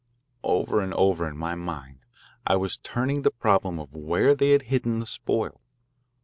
Over and over in my mind I was turning the problem of where they had hidden the spoil.